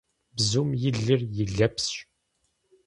Бзум и лыр, и лэпсщ.